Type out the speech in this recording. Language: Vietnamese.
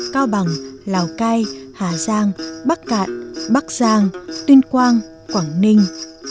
cao bằng lào cai hà giang bắc cạn bắc giang tuyên quang quảng ninh